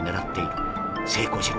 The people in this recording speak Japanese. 成功しろ！